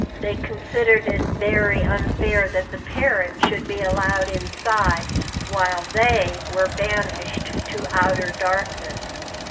They considered it very unfair that the parrot should be allowed inside while they were banished to outer darkness.